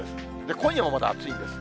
今夜もまだ暑いんです。